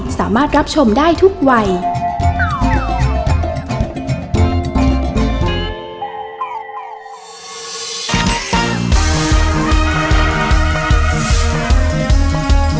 แม่บ้านประจันบาล